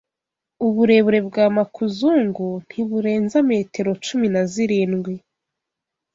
Uburebure bwa makuzungu ntiburenza metero cumi na zirindwi